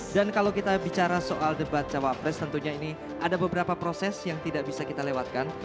dan kalau kita bicara soal debat cawa press tentunya ini ada beberapa proses yang tidak bisa kita lewatkan